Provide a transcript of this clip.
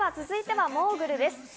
続いてはモーグルです。